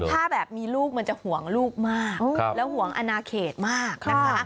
ถ้าแบบมีลูกมันจะห่วงลูกมากแล้วห่วงอนาเขตมากนะคะ